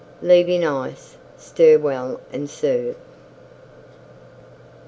Leave in Ice; stir well and serve.